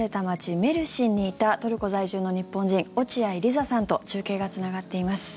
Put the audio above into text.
メルシンにいたトルコ在住の日本人落合リザさんと中継がつながっています。